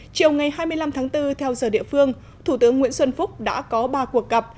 chiều ngày hai mươi năm tháng bốn theo giờ địa phương thủ tướng nguyễn xuân phúc đã có ba cuộc gặp